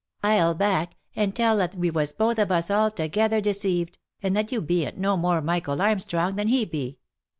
I'll back, and tell that we was both of us altogether deceived, and that you bean't no more Michael Armstrong than he be."